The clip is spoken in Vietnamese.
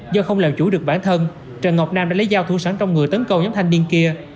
do không làm chủ được bản thân trần ngọc nam đã lấy dao thuắn trong người tấn công nhóm thanh niên kia